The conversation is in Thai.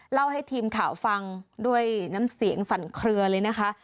เล่าให้ทีมข่าวฟังด้วยน้ำเสียงสั่นเคลือเลยนะคะ